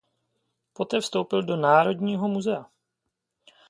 Po té vstoupil do Národního muzea.